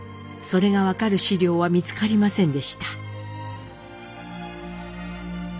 それが分かる資料は見つかりませんでした。